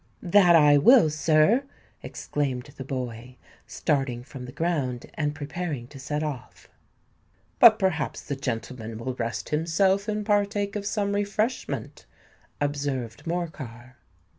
"That I will, sir," exclaimed the boy, starting from the ground, and preparing to set off. "But perhaps the gentleman will rest himself, and partake of some refreshment," observed Morcar.